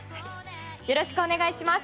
よろしくお願いします。